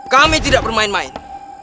kami tidak bermain main